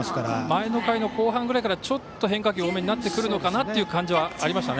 前の回の後半ぐらいからちょっと、変化球多めになってくるのかなという感じはありました。